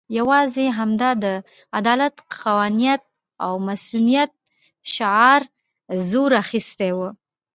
یوازې همدا د عدالت، قانونیت او مصونیت شعار زور اخستی وو.